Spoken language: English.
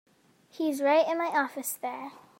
He's right in my office there.